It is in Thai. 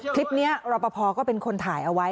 คลิปนี้รับประพอก็เป็นคนถ่ายเอาไว้